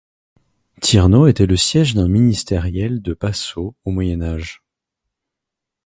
Thyrnau était le siège d'un ministériel de Passau au Moyen Âge.